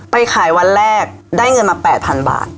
ไปขายวันแรกได้เงินมา๘๐๐๐บาท